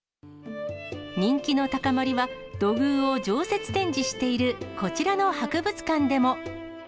人気の高まりは、土偶を常設展示しているこちらの博物館でも。